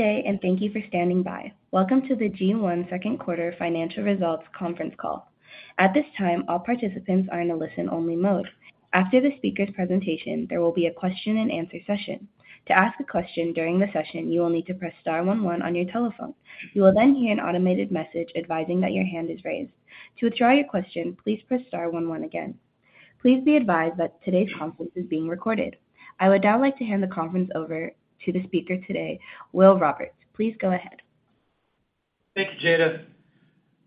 Good day. Thank you for standing by. Welcome to the G1 2nd quarter financial results conference call. At this time, all participants are in a listen-only mode. After the speaker's presentation, there will be a question-and-answer session. To ask a question during the session, you will need to press star one one on your telephone. You will then hear an automated message advising that your hand is raised. To withdraw your question, please press star one one again. Please be advised that today's conference is being recorded. I would now like to hand the conference over to the speaker today, Will Roberts. Please go ahead. Thank you, Jada.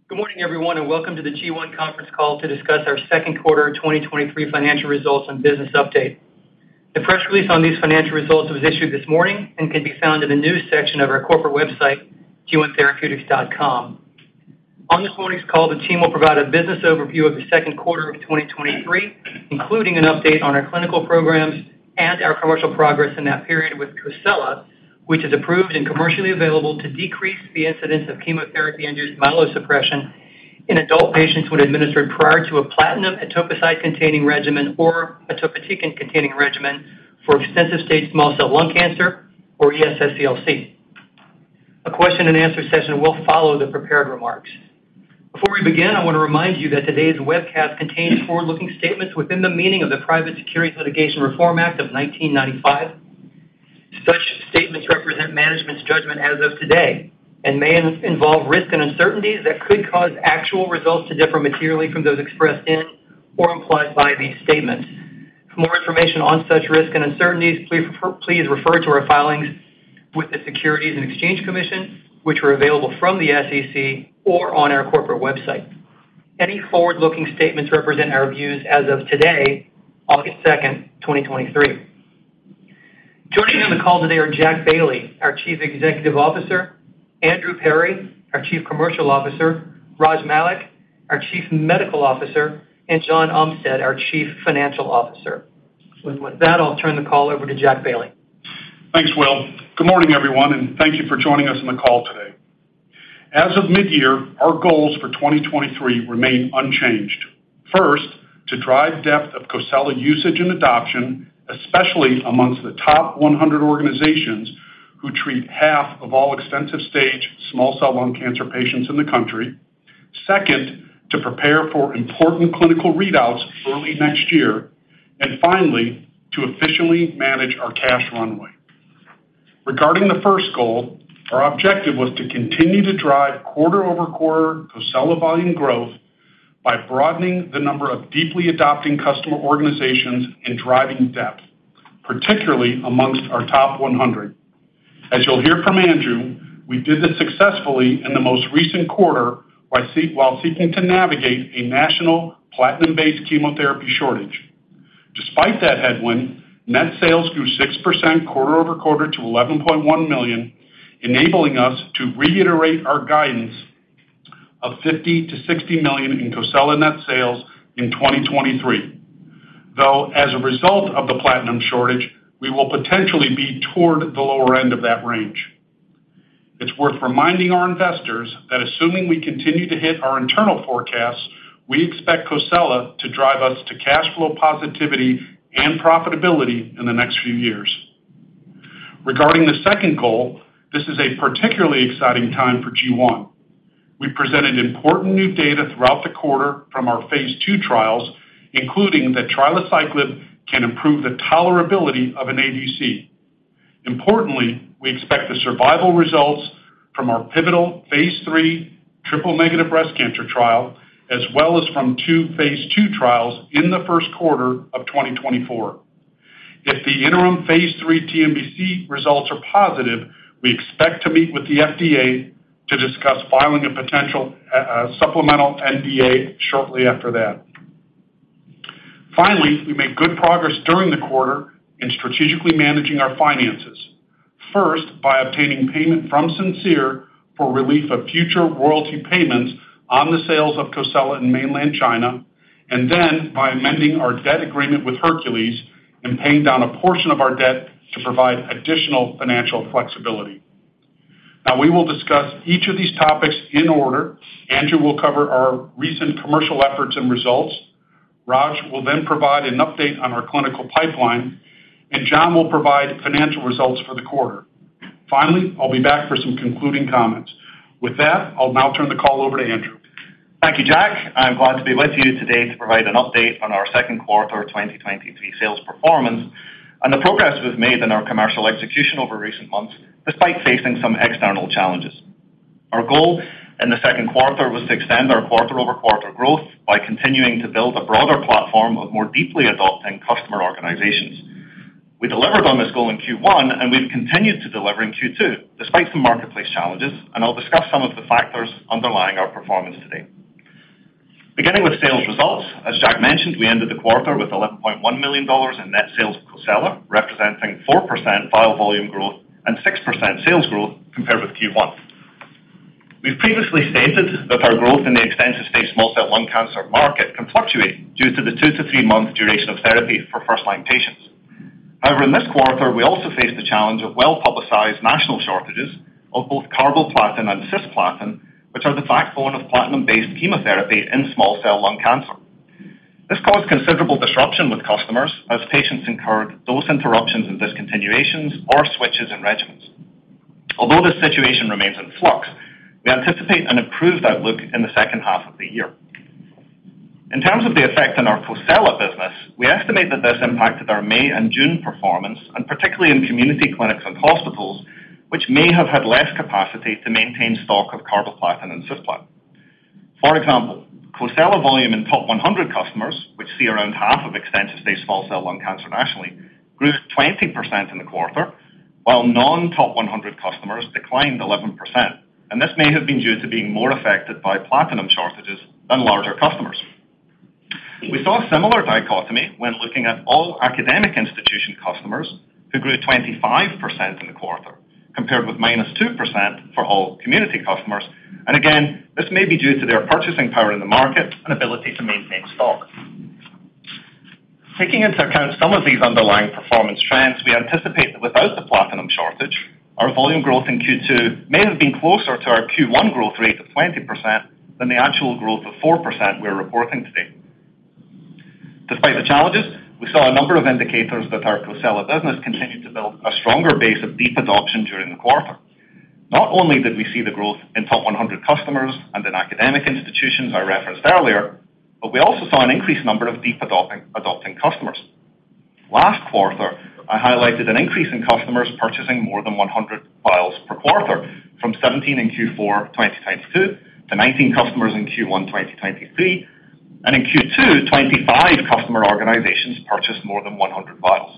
Good morning, everyone, welcome to the G1 conference call to discuss our second quarter 2023 financial results and business update. The press release on these financial results was issued this morning and can be found in the news section of our corporate website, g1therapeutics.com. On this morning's call, the team will provide a business overview of the second quarter of 2023, including an update on our clinical programs and our commercial progress in that period with Cosela, which is approved and commercially available to decrease the incidence of chemotherapy-induced myelosuppression in adult patients when administered prior to a platinum/etoposide-containing regimen or etoposide-containing regimen for extensive-stage small cell lung cancer or ES-SCLC. A question-and-answer session will follow the prepared remarks. Before we begin, I want to remind you that today's webcast contains forward-looking statements within the meaning of the Private Securities Litigation Reform Act of 1995. Such statements represent management's judgment as of today and may involve risk and uncertainties that could cause actual results to differ materially from those expressed in or implied by these statements. For more information on such risks and uncertainties, please refer to our filings with the Securities and Exchange Commission, which are available from the SEC or on our corporate website. Any forward-looking statements represent our views as of today, August second, 2023. Joining on the call today are Jack Bailey, our Chief Executive Officer, Andrew Perry, our Chief Commercial Officer, Raj Malik, our Chief Medical Officer, and John Umstead, our Chief Financial Officer. With that, I'll turn the call over to Jack Bailey. Thanks, Will. Good morning, everyone, thank you for joining us on the call today. As of mid-year, our goals for 2023 remain unchanged. First, to drive depth of Cosela usage and adoption, especially amongst the top 100 organizations who treat half of all extensive-stage small cell lung cancer patients in the country. Second, to prepare for important clinical readouts early next year. Finally, to efficiently manage our cash runway. Regarding the first goal, our objective was to continue to drive quarter-over-quarter Cosela volume growth by broadening the number of deeply adopting customer organizations and driving depth, particularly amongst our top 100. As you'll hear from Andrew, we did this successfully in the most recent quarter while seeking to navigate a national platinum-based chemotherapy shortage. Despite that headwind, net sales grew 6% quarter-over-quarter to $11.1 million, enabling us to reiterate our guidance of $50 million-$60 million in Cosela net sales in 2023. As a result of the platinum shortage, we will potentially be toward the lower end of that range. It's worth reminding our investors that assuming we continue to hit our internal forecasts, we expect Cosela to drive us to cash flow positivity and profitability in the next few years. Regarding the second goal, this is a particularly exciting time for G1. We presented important new data throughout the quarter from our phase two trials, including that trilaciclib can improve the tolerability of an ADC. Importantly, we expect the survival results from our pivotal phase three triple-negative breast cancer trial, as well as from two phase two trials in the first quarter of 2024. If the interim Phase three TNBC results are positive, we expect to meet with the FDA to discuss filing a potential supplemental NDA shortly after that. Finally, we made good progress during the quarter in strategically managing our finances. First, by obtaining payment from Simcere for relief of future royalty payments on the sales of Cosela in mainland China, and then by amending our debt agreement with Hercules and paying down a portion of our debt to provide additional financial flexibility. Now, we will discuss each of these topics in order. Andrew will cover our recent commercial efforts and results. Raj will then provide an update on our clinical pipeline, and John will provide financial results for the quarter. Finally, I'll be back for some concluding comments. With that, I'll now turn the call over to Andrew. Thank you, Jack. I'm glad to be with you today to provide an update on our second quarter 2023 sales performance and the progress we've made in our commercial execution over recent months, despite facing some external challenges. Our goal in the second quarter was to extend our quarter-over-quarter growth by continuing to build a broader platform of more deeply adopting customer organizations. We delivered on this goal in Q1, and we've continued to deliver in Q2, despite some marketplace challenges, and I'll discuss some of the factors underlying our performance today. Beginning with sales results, as Jack mentioned, we ended the quarter with $11.1 million in net sales of Cosela, representing 4% file volume growth and 6% sales growth compared with Q1. We've previously stated that our growth in the extensive-stage small cell lung cancer market can fluctuate due to the 2-3 month duration of therapy for first-line patients. In this quarter, we also faced the challenge of well-publicized national shortages of both carboplatin and cisplatin, which are the backbone of platinum-based chemotherapy in small cell lung cancer. This caused considerable disruption with customers as patients incurred dose interruptions and discontinuations or switches in regimens. Although this situation remains in flux, we anticipate an improved outlook in the second half of the year. In terms of the effect on our Cosela business, we estimate that this impacted our May and June performance, and particularly in community clinics and hospitals, which may have had less capacity to maintain stock of carboplatin and cisplatin. For example, Cosela volume in top 100 customers, which see around half of extensive-stage small cell lung cancer nationally, grew 20% in the quarter, while non-top 100 customers declined 11%, this may have been due to being more affected by platinum shortages than larger customers. We saw a similar dichotomy when looking at all academic institution customers, who grew 25% in the quarter, compared with -2% for all community customers. Again, this may be due to their purchasing power in the market and ability to maintain stock. Taking into account some of these underlying performance trends, we anticipate that without the platinum shortage, our volume growth in Q2 may have been closer to our Q1 growth rate of 20% than the actual growth of 4% we're reporting today. Despite the challenges, we saw a number of indicators that our Cosela business continued to build a stronger base of deep adoption during the quarter. Not only did we see the growth in top 100 customers and in academic institutions I referenced earlier, but we also saw an increased number of deep adopting customers. Last quarter, I highlighted an increase in customers purchasing more than 100 vials per quarter, from 17 in Q4 2022 to 19 customers in Q1 2023, and in Q2, 25 customer organizations purchased more than 100 vials.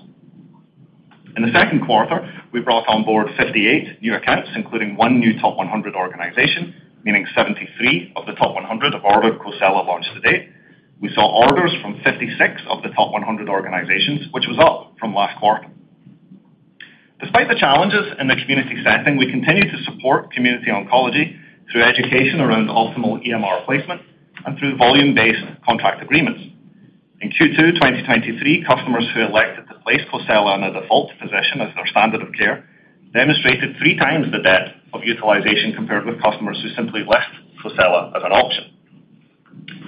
In the second quarter, we brought on board 58 new accounts, including one new top 100 organization, meaning 73 of the top 100 have ordered Cosela at launch to date. We saw orders from 56 of the top 100 organizations, which was up from last quarter. Despite the challenges in the community setting, we continue to support community oncology through education around optimal EMR placement and through volume-based contract agreements. In Q2 2023, customers who elected to place Cosela in a default position as their standard of care demonstrated three times the depth of utilization compared with customers who simply left Cosela as an option.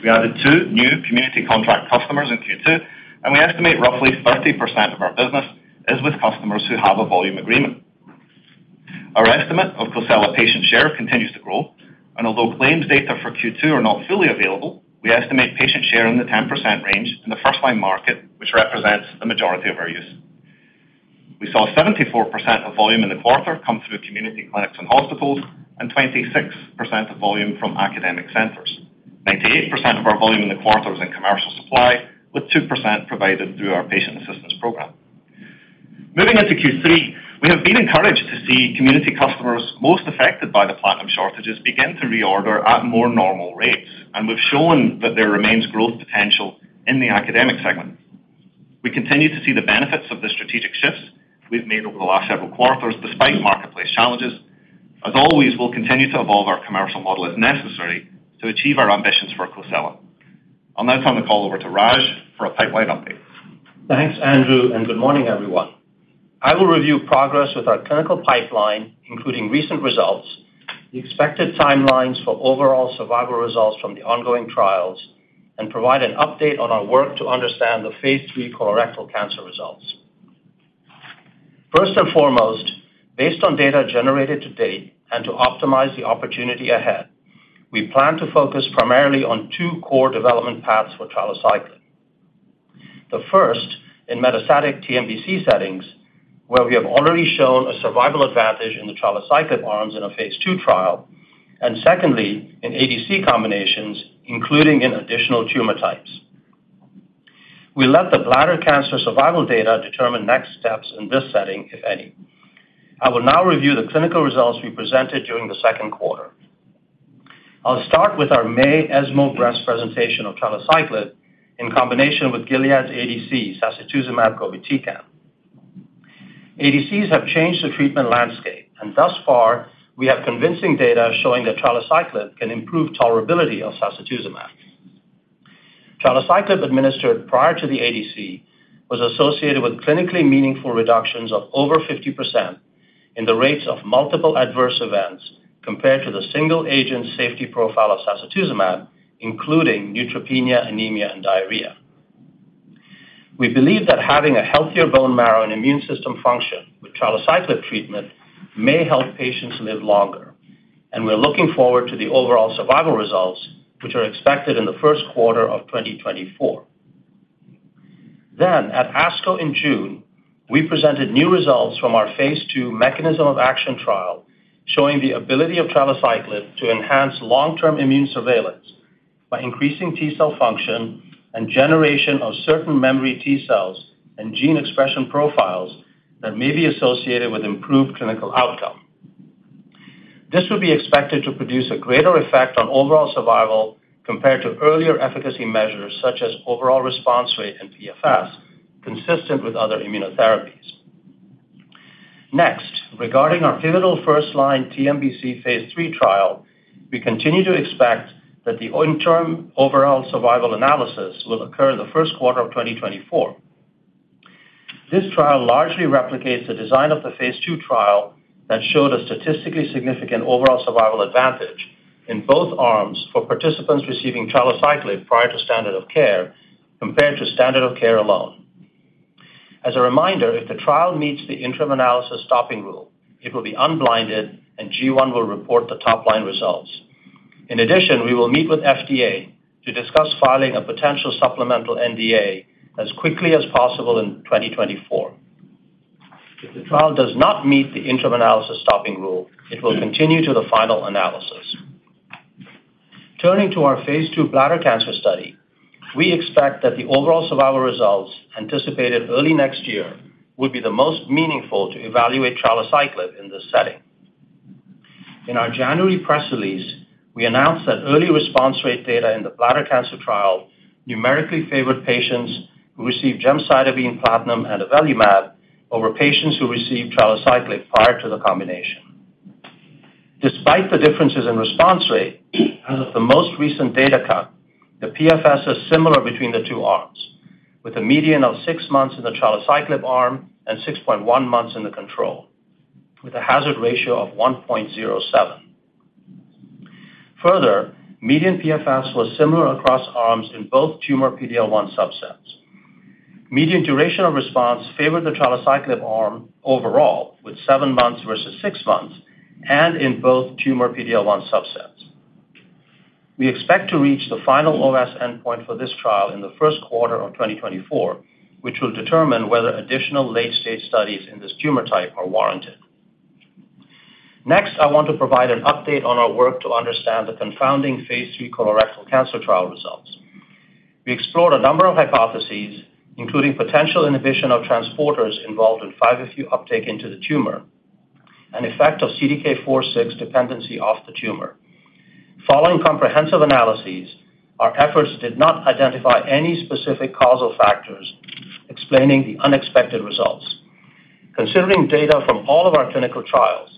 We added two new community contract customers in Q2, and we estimate roughly 30% of our business is with customers who have a volume agreement. Our estimate of Cosela patient share continues to grow, and although claims data for Q2 are not fully available, we estimate patient share in the 10% range in the first-line market, which represents the majority of our use. We saw 74% of volume in the quarter come through community clinics and hospitals, and 26% of volume from academic centers. 98% of our volume in the quarter was in commercial supply, with 2% provided through our patient assistance program. Moving into Q3, we have been encouraged to see community customers most affected by the platinum shortages begin to reorder at more normal rates, and we've shown that there remains growth potential in the academic segment. We continue to see the benefits of the strategic shifts we've made over the last several quarters, despite marketplace challenges. As always, we'll continue to evolve our commercial model as necessary to achieve our ambitions for Cosela. I'll now turn the call over to Raj for a pipeline update. Thanks, Andrew, good morning, everyone. I will review progress with our clinical pipeline, including recent results, the expected timelines for overall survival results from the ongoing trials, and provide an update on our work to understand the phase three colorectal cancer results. First and foremost, based on data generated to date and to optimize the opportunity ahead, we plan to focus primarily on two core development paths for trilaciclib. The first, in metastatic TNBC settings, where we have already shown a survival advantage in the trilaciclib arms in a phase two trial, and secondly, in ADC combinations, including in additional tumor types. We let the bladder cancer survival data determine next steps in this setting, if any. I will now review the clinical results we presented during the second quarter. I'll start with our May ESMO Breast presentation of trilaciclib in combination with Gilead's ADC, sacituzumab govitecan. ADCs have changed the treatment landscape, thus far, we have convincing data showing that trilaciclib can improve tolerability of sacituzumab. Trilaciclib, administered prior to the ADC, was associated with clinically meaningful reductions of over 50% in the rates of multiple adverse events compared to the single-agent safety profile of sacituzumab, including neutropenia, anemia, and diarrhea. We believe that having a healthier bone marrow and immune system function with trilaciclib treatment may help patients live longer, and we're looking forward to the overall survival results, which are expected in the first quarter of 2024. At ASCO in June, we presented new results from our phase two mechanism of action trial, showing the ability of trilaciclib to enhance long-term immune surveillance by increasing T cell function and generation of certain memory T cells and gene expression profiles that may be associated with improved clinical outcome. This would be expected to produce a greater effect on overall survival compared to earlier efficacy measures such as overall response rate and PFS, consistent with other immunotherapies. Regarding our pivotal first-line TNBC phase III trial, we continue to expect that the interim overall survival analysis will occur in the first quarter of 2024. This trial largely replicates the design of the phase II trial that showed a statistically significant overall survival advantage in both arms for participants receiving trilaciclib prior to standard of care, compared to standard of care alone. As a reminder, if the trial meets the interim analysis stopping rule, it will be unblinded, and G1 will report the top-line results. We will meet with FDA to discuss filing a potential supplemental NDA as quickly as possible in 2024. If the trial does not meet the interim analysis stopping rule, it will continue to the final analysis. Turning to our phase II bladder cancer study, we expect that the overall survival results, anticipated early next year, will be the most meaningful to evaluate Trilaciclib in this setting. In our January press release, we announced that early response rate data in the bladder cancer trial numerically favored patients who received gemcitabine platinum and avelumab over patients who received Trilaciclib prior to the combination. Despite the differences in response rate, as of the most recent data cut, the PFS is similar between the two arms, with a median of six months in the Trilaciclib arm and 6.1 months in the control, with a hazard ratio of 1.07. Further, median PFS was similar across arms in both tumor PD-L1 subsets. Median duration of response favored the trilaciclib arm overall, with seven months versus six months, and in both tumor PD-L1 subsets. We expect to reach the final OS endpoint for this trial in the first quarter of 2024, which will determine whether additional late-stage studies in this tumor type are warranted. Next, I want to provide an update on our work to understand the confounding phase III colorectal cancer trial results. We explored a number of hypotheses, including potential inhibition of transporters involved in 5-FU uptake into the tumor and effect of CDK4/6 dependency of the tumor. Following comprehensive analyses, our efforts did not identify any specific causal factors explaining the unexpected results. Considering data from all of our clinical trials,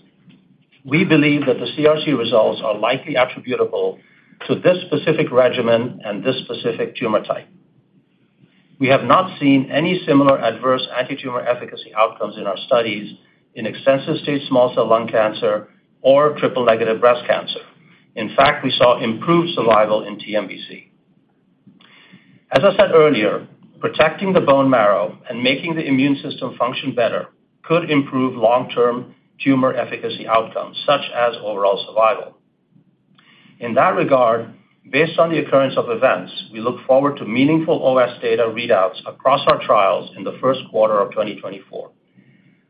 we believe that the CRC results are likely attributable to this specific regimen and this specific tumor type. We have not seen any similar adverse antitumor efficacy outcomes in our studies in extensive-stage small cell lung cancer or triple-negative breast cancer. In fact, we saw improved survival in TNBC. As I said earlier, protecting the bone marrow and making the immune system function better could improve long-term tumor efficacy outcomes, such as overall survival. In that regard, based on the occurrence of events, we look forward to meaningful OS data readouts across our trials in the first quarter of 2024.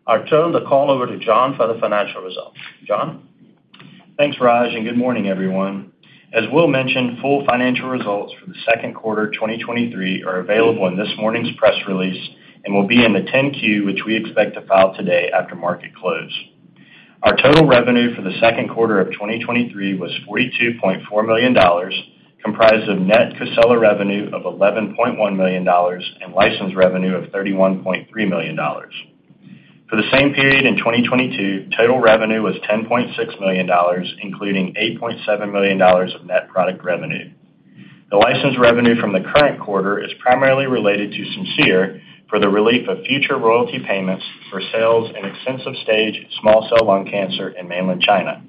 I'll turn the call over to John for the financial results. John? Thanks, Raj. Good morning, everyone. As Will mentioned, full financial results for the second quarter 2023 are available in this morning's press release and will be in the 10-Q, which we expect to file today after market close. Our total revenue for the second quarter of 2023 was $42.4 million, comprised of net Cosela revenue of $11.1 million and license revenue of $31.3 million. For the same period in 2022, total revenue was $10.6 million, including $8.7 million of net product revenue. The license revenue from the current quarter is primarily related to Simcere for the relief of future royalty payments for sales in extensive-stage small cell lung cancer in mainland China.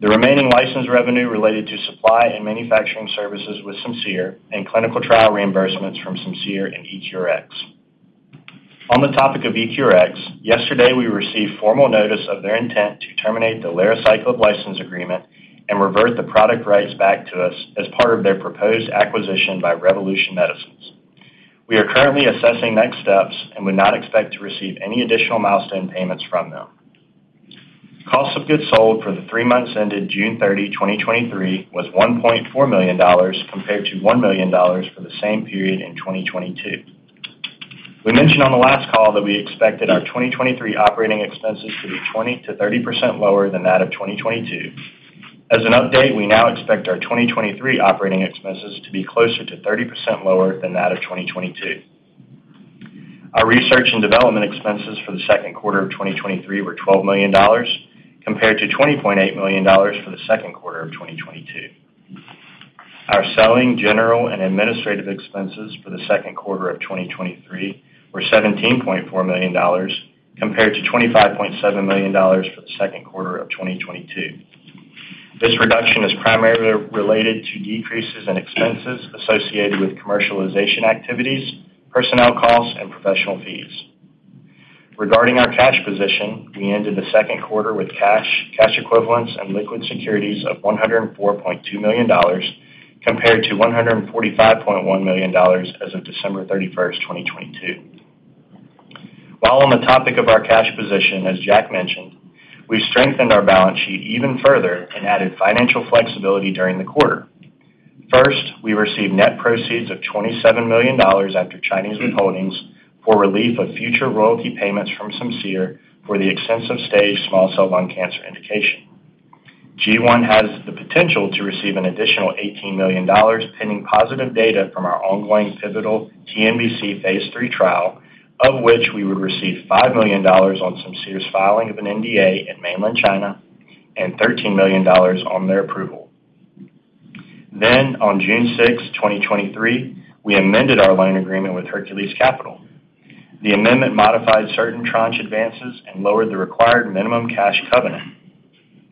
The remaining license revenue related to supply and manufacturing services with Simcere and clinical trial reimbursements from Simcere and EQRx. On the topic of EQRx, yesterday, we received formal notice of their intent to terminate the Lerociclib license agreement and revert the product rights back to us as part of their proposed acquisition by Revolution Medicines. We are currently assessing next steps and would not expect to receive any additional milestone payments from them. Cost of goods sold for the three months ended June 30, 2023, was $1.4 million, compared to $1 million for the same period in 2022. We mentioned on the last call that we expected our 2023 operating expenses to be 20%-30% lower than that of 2022. As an update, we now expect our 2023 operating expenses to be closer to 30% lower than that of 2022. Our research and development expenses for the second quarter of 2023 were $12 million, compared to $20.8 million for the second quarter of 2022. Our selling, general, and administrative expenses for the second quarter of 2023 were $17.4 million, compared to $25.7 million for the second quarter of 2022. This reduction is primarily related to decreases in expenses associated with commercialization activities, personnel costs, and professional fees. Regarding our cash position, we ended the second quarter with cash, cash equivalents, and liquid securities of $104.2 million, compared to $145.1 million as of December 31, 2022. While on the topic of our cash position, as Jack mentioned, we've strengthened our balance sheet even further and added financial flexibility during the quarter. First, we received net proceeds of $27 million after Chinese holdings for relief of future royalty payments from Simcere for the extensive-stage small cell lung cancer indication. G1 Therapeutics has the potential to receive an additional $18 million, pending positive data from our ongoing pivotal TNBC phase III trial, of which we would receive $5 million on Simcere's filing of an NDA in mainland China and $13 million on their approval. On June sixth, 2023, we amended our loan agreement with Hercules Capital. The amendment modified certain tranche advances and lowered the required minimum cash covenant.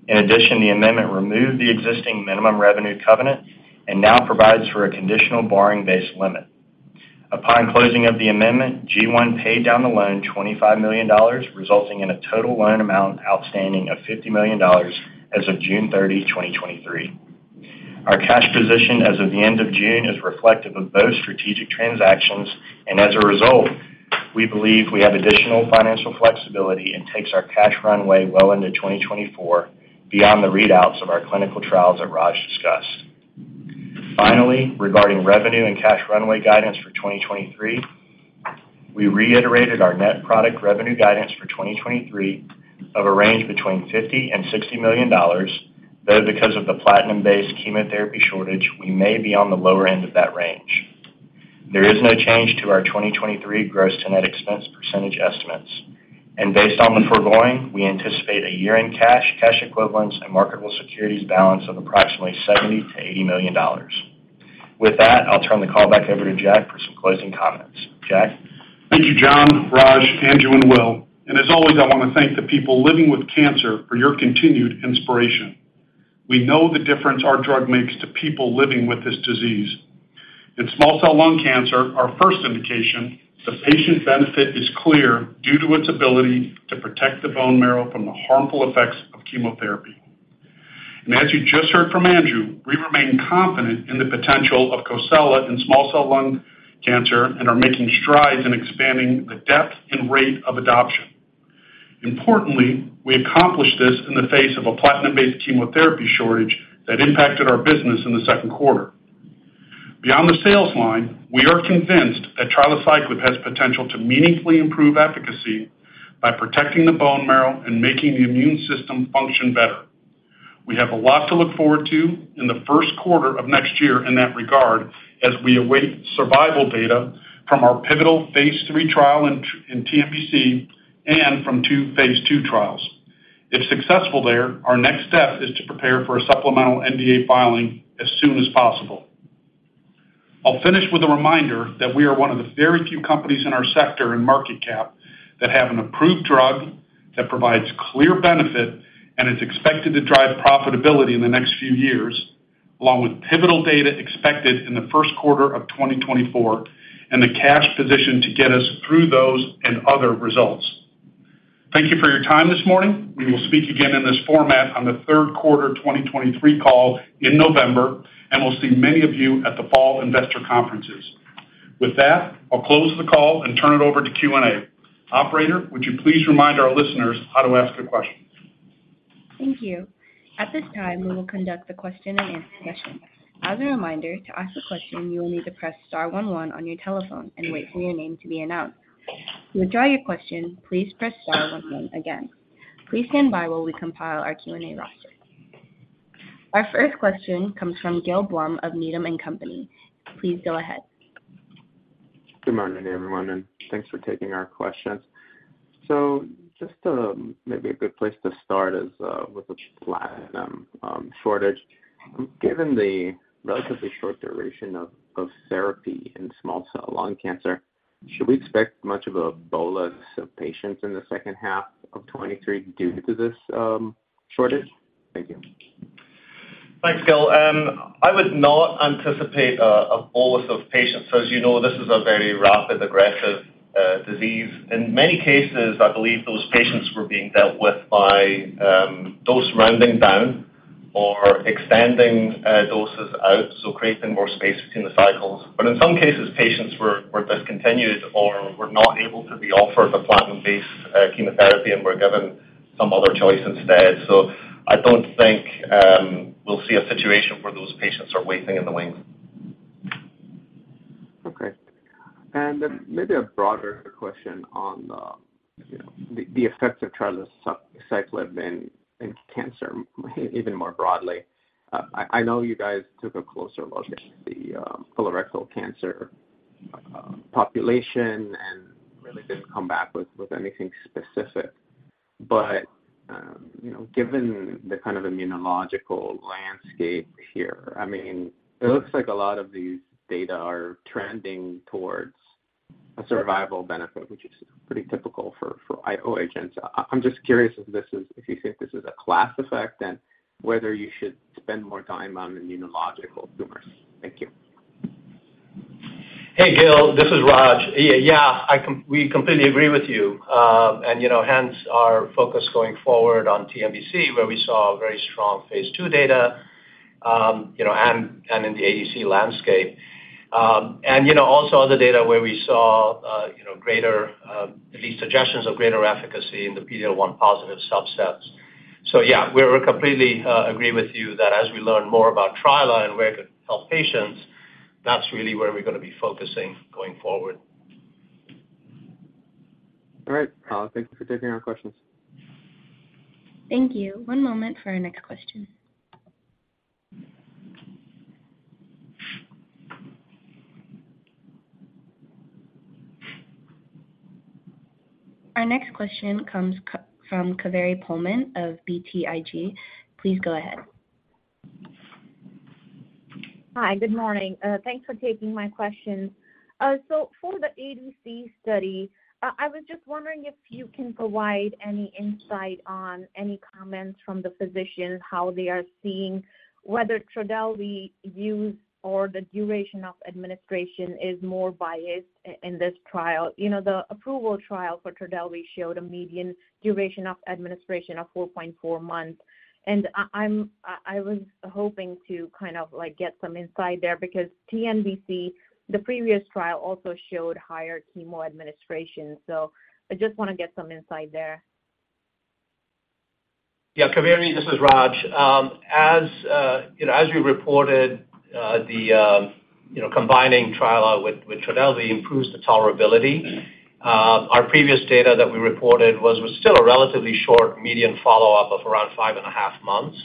In addition, the amendment removed the existing minimum revenue covenant and now provides for a conditional borrowing-based limit. Upon closing of the amendment, G1 paid down the loan $25 million, resulting in a total loan amount outstanding of $50 million as of June 30, 2023. As a result, we believe we have additional financial flexibility and takes our cash runway well into 2024, beyond the readouts of our clinical trials that Raj discussed. Finally, regarding revenue and cash runway guidance for 2023, we reiterated our net product revenue guidance for 2023 of a range between $50 million and $60 million, though, because of the platinum-based chemotherapy shortage, we may be on the lower end of that range. There is no change to our 2023 gross to net expense percentage estimates, and based on the foregoing, we anticipate a year-end cash, cash equivalents, and marketable securities balance of approximately $70 million-$80 million. With that, I'll turn the call back over to Jack for some closing comments. Jack? Thank you, John, Raj, Andrew, and Will. As always, I wanna thank the people living with cancer for your continued inspiration. We know the difference our drug makes to people living with this disease. In small cell lung cancer, our first indication, the patient benefit is clear due to its ability to protect the bone marrow from the harmful effects of chemotherapy. As you just heard from Andrew, we remain confident in the potential of Cosela in small cell lung cancer and are making strides in expanding the depth and rate of adoption. Importantly, we accomplished this in the face of a platinum-based chemotherapy shortage that impacted our business in the second quarter. Beyond the sales line, we are convinced that trilaciclib has potential to meaningfully improve efficacy by protecting the bone marrow and making the immune system function better. We have a lot to look forward to in the first quarter of next year in that regard, as we await survival data from our pivotal phase three trial in TNBC and from two phase two trials. If successful there, our next step is to prepare for a supplemental NDA filing as soon as possible. I'll finish with a reminder that we are one of the very few companies in our sector in market cap that have an approved drug that provides clear benefit and is expected to drive profitability in the next few years, along with pivotal data expected in the first quarter of 2024, and the cash position to get us through those and other results. Thank you for your time this morning. We will speak again in this format on the third quarter 2023 call in November. We'll see many of you at the fall investor conferences. With that, I'll close the call and turn it over to Q&A. Operator, would you please remind our listeners how to ask a question? Thank you. At this time, we will conduct the question and answer session. As a reminder, to ask a question, you will need to press star one one on your telephone and wait for your name to be announced. To withdraw your question, please press star one one again. Please stand by while we compile our Q&A roster. Our first question comes from Gil Blum of Needham & Company. Please go ahead. Good morning, everyone, thanks for taking our questions. Just maybe a good place to start is with the platinum shortage. Given the relatively short duration of therapy in small cell lung cancer, should we expect much of a bolus of patients in the second half of 2023 due to this shortage? Thank you. Thanks, Gil. I would not anticipate a bolus of patients. As you know, this is a very rapid, aggressive disease. In many cases, I believe those patients were being dealt with by dose rounding down or extending doses out, so creating more space between the cycles. In some cases, patients were discontinued or were not able to be offered a platinum-based chemotherapy and were given some other choice instead. I don't think we'll see a situation where those patients are waiting in the wings. Okay. Maybe a broader question on the, you know, the, the effects of trilaciclib in, in cancer, even more broadly. I know you guys took a closer look at the colorectal cancer population and really didn't come back with anything specific. But, you know, given the kind of immunological landscape here, I mean, it looks like a lot of these data are trending towards a survival benefit, which is pretty typical for IO agents. I'm just curious if this is if you think this is a class effect and whether you should spend more time on immunological tumors? Thank you. Hey, Gil, this is Raj. Yeah, yeah, we completely agree with you. You know, hence our focus going forward on TNBC, where we saw very strong phase two data, you know, and, and in the ADC landscape. You know, also other data where we saw, you know, greater, at least suggestions of greater efficacy in the PD-L1 positive subsets. Yeah, we're completely agree with you that as we learn more about Trila and where to help patients, that's really where we're gonna be focusing going forward. All right. Thank you for taking our questions. Thank you. One moment for our next question.... Our next question comes from Kaveri Pohlman of BTIG. Please go ahead. Hi, good morning. Thanks for taking my question. So for the ADC study, I was just wondering if you can provide any insight on any comments from the physicians, how they are seeing whether Trodelvy use or the duration of administration is more biased in this trial? You know, the approval trial for Trodelvy showed a median duration of administration of 4.4 months. I, I'm, I was hoping to kind of, like, get some insight there, because TNBC, the previous trial, also showed higher chemo administration. I just wanna get some insight there. Yeah, Kaveri, this is Raj. As, you know, as we reported, the, you know, combining Trilaciclib with, with Trodelvy improves the tolerability. Our previous data that we reported was, was still a relatively short median follow-up of around 5.5 months,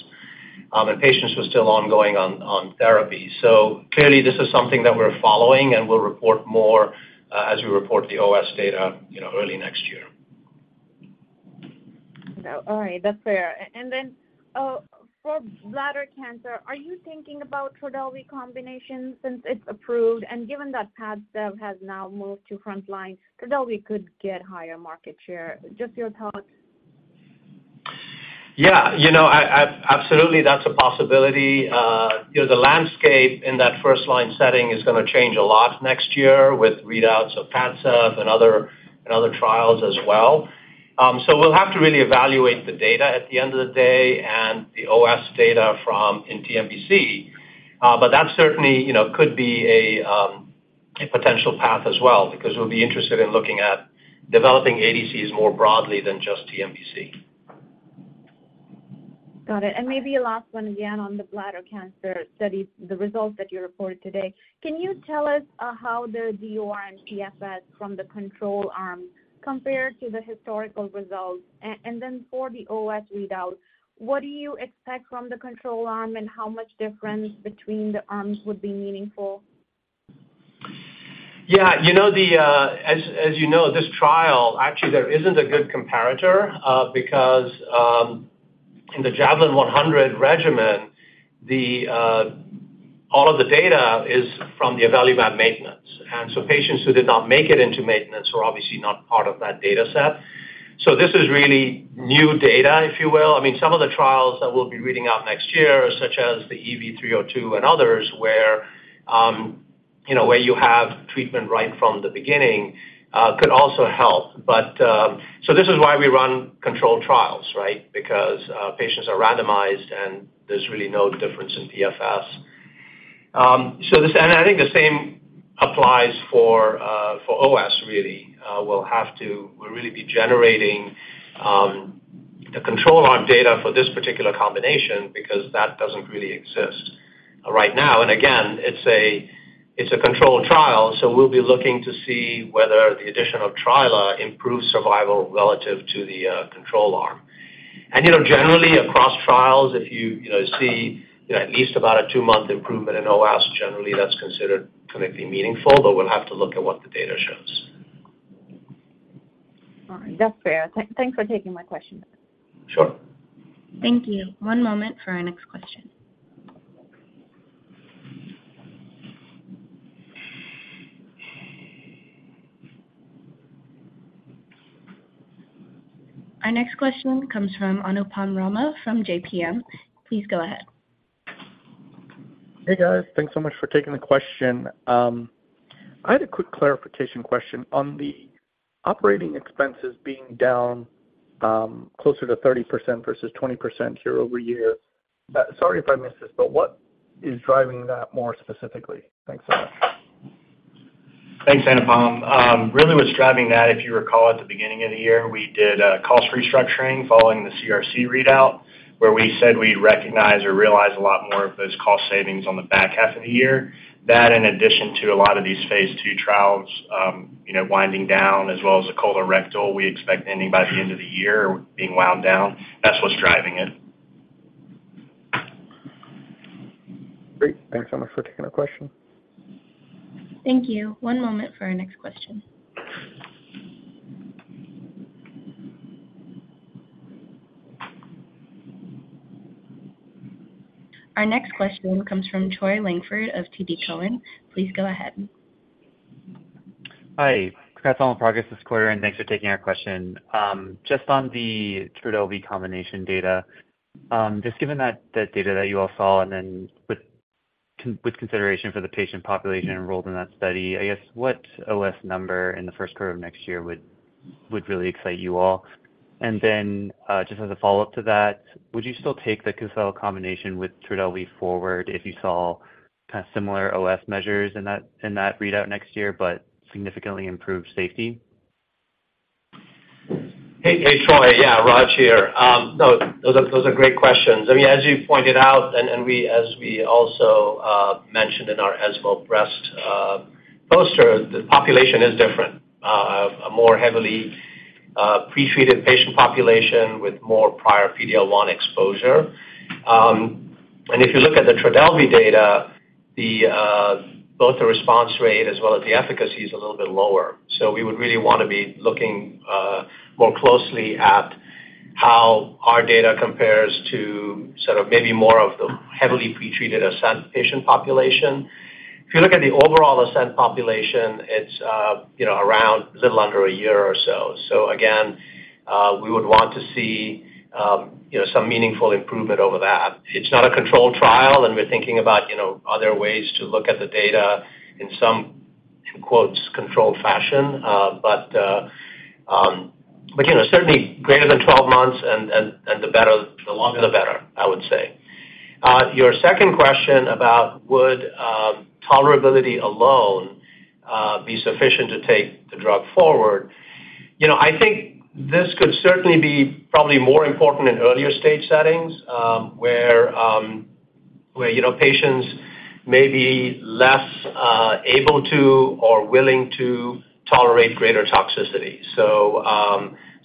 and patients were still ongoing on, on therapy. Clearly, this is something that we're following, and we'll report more, as we report the OS data, you know, early next year. Well, all right. That's fair. Then, for bladder cancer, are you thinking about Trodelvy combination since it's approved? Given that Padcev has now moved to frontline, Trodelvy could get higher market share. Just your thoughts? Yeah, you know, absolutely, that's a possibility. You know, the landscape in that first line setting is gonna change a lot next year with readouts of Padcev and other, and other trials as well. We'll have to really evaluate the data at the end of the day and the OS data from in TNBC. That certainly, you know, could be a potential path as well, because we'll be interested in looking at developing ADCs more broadly than just TNBC. Maybe a last one again on the bladder cancer study, the results that you reported today. Can you tell us how the DOR and PFS from the control arm compare to the historical results? Then for the OS readout, what do you expect from the control arm, and how much difference between the arms would be meaningful? Yeah, you know, the, As, as you know, this trial, actually, there isn't a good comparator, because, in the JAVELIN Bladder 100 regimen, all of the data is from the avelumab maintenance. Patients who did not make it into maintenance were obviously not part of that data set. This is really new data, if you will. I mean, some of the trials that we'll be reading out next year, such as the EV-302 and others, where, you know, where you have treatment right from the beginning, could also help. This is why we run controlled trials, right? Because patients are randomized, and there's really no difference in PFS. I think the same applies for OS, really. We'll really be generating the control arm data for this particular combination because that doesn't really exist right now. Again, it's a, it's a controlled trial, so we'll be looking to see whether the addition of Trilaciclib improves survival relative to the control arm. You know, generally across trials, if you, you know, see, you know, at least about a two-month improvement in OS, generally that's considered clinically meaningful, but we'll have to look at what the data shows. All right. That's fair. Thanks for taking my question. Sure. Thank you. One moment for our next question. Our next question comes from Anupam Rama from JPM. Please go ahead. Hey, guys. Thanks so much for taking the question. I had a quick clarification question on the operating expenses being down, closer to 30% versus 20% year-over-year. Sorry if I missed this, what is driving that more specifically? Thanks so much. Thanks, Anupam. Really what's driving that, if you recall, at the beginning of the year, we did a cost restructuring following the CRC readout, where we said we'd recognize or realize a lot more of those cost savings on the back half of the year. That, in addition to a lot of these phase two trials, you know, winding down, as well as the colorectal, we expect ending by the end of the year or being wound down. That's what's driving it. Great. Thanks so much for taking our question. Thank you. One moment for our next question. Our next question comes from Troy Langford of TD Cowen. Please go ahead. Hi. Congrats on the progress this quarter, thanks for taking our question. Just on the Trodelvy combination data, just given that, that data that you all saw and then with consideration for the patient population enrolled in that study, I guess, what OS number in the first quarter of next year would really excite you all? Just as a follow-up to that, would you still take the Cosela combination with Trodelvy forward if you saw kind of similar OS measures in that, in that readout next year, but significantly improved safety? Hey, hey, Troy. Yeah, Raj here. No, those are, those are great questions. I mean, as you pointed out, and as we also mentioned in our ESMO Breast poster, the population is different, a more heavily pretreated patient population with more prior PD-L1 exposure. If you look at the Trodelvy data. The both the response rate as well as the efficacy is a little bit lower. We would really want to be looking more closely at how our data compares to sort of maybe more of the heavily pretreated ASCENT patient population. If you look at the overall ASCENT population, it's, you know, around a little under a year or so. Again, we would want to see, you know, some meaningful improvement over that. It's not a controlled trial, and we're thinking about, you know, other ways to look at the data in some quotes, controlled fashion, but, but, you know, certainly greater than 12 months, and, and, the better, the longer, the better, I would say. Your second question about would tolerability alone be sufficient to take the drug forward? You know, I think this could certainly be probably more important in earlier stage settings, where, where, you know, patients may be less able to or willing to tolerate greater toxicity.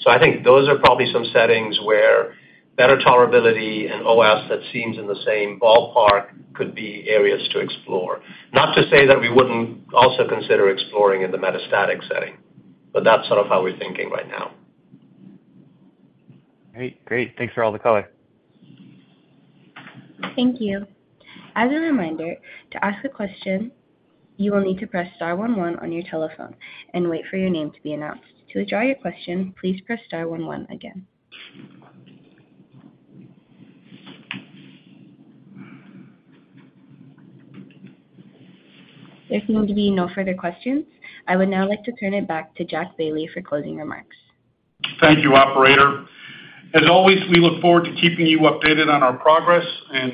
I think those are probably some settings where better tolerability and OS that seems in the same ballpark could be areas to explore. Not to say that we wouldn't also consider exploring in the metastatic setting, but that's sort of how we're thinking right now. Great. Great. Thanks for all the color. Thank you. As a reminder, to ask a question, you will need to press star one one on your telephone and wait for your name to be announced. To withdraw your question, please press star one one again. If there be no further questions, I would now like to turn it back to Jack Bailey for closing remarks. Thank you, operator. As always, we look forward to keeping you updated on our progress,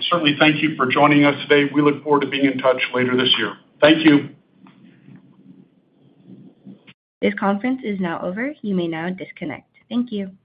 certainly thank you for joining us today. We look forward to being in touch later this year. Thank you. This conference is now over. You may now disconnect. Thank you.